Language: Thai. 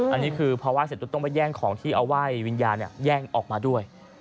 อันนี้คือพอไห้เสร็จปุ๊บต้องไปแย่งของที่เอาไหว้วิญญาณแย่งออกมาด้วย